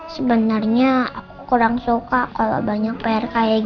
sebenarnya aku kurang suka kalau banyak pr kayak gini